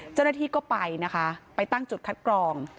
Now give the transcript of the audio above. เจ้าหน้าที่ก็ไปนะคะไปตั้งจุดคัดกรอง